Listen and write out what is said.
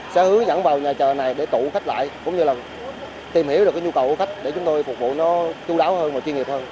sẽ hướng dẫn vào nhà chờ này để tụ khách lại cũng như là tìm hiểu được cái nhu cầu của khách để chúng tôi phục vụ nó chú đáo hơn và chuyên nghiệp hơn